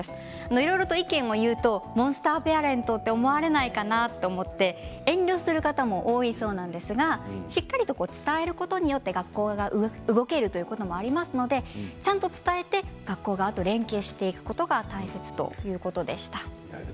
いろいろと意見を言うとモンスターペアレントと思われないかなと思って遠慮する方も多いそうなんですがしっかりと伝えることによって学校が動けるということもありますので、ちゃんと伝えて学校側と連携していくことが大切ということでした。